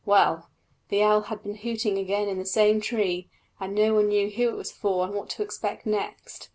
Well, the owl had been hooting again in the same tree, and no one knew who it was for and what to expect next.